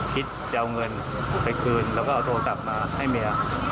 คิดจะเอาเงินไปคืนแล้วก็เอาโทรศัพท์มาให้เมีย